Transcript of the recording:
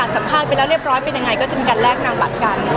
สัมภาษณ์ไปแล้วเรียบร้อยเป็นยังไงก็จะมีการแลกนางบัตรกัน